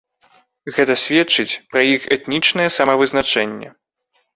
Гэта сведчыць пра іх этнічнае самавызначэнне.